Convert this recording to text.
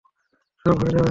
সব হয়ে যাবে।